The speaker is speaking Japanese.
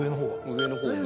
上の方ね。